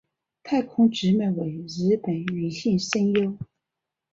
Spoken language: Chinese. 大空直美为日本女性声优。